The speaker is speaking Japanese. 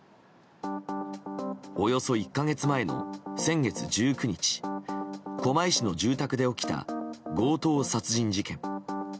およそ１か月前の先月１９日狛江市の住宅で起きた強盗殺人事件。